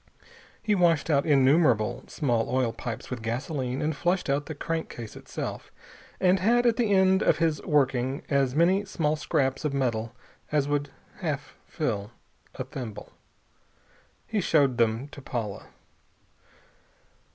He washed out innumerable small oil pipes with gasoline, and flushed out the crankcase itself, and had at the end of his working as many small scraps of metal as would half fill a thimble. He showed then to Paula.